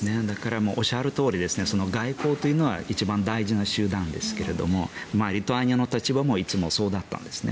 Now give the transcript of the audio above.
おっしゃるとおり外交というのは一番大事な手段なんですがリトアニアの立場もいつもそうだったんですね。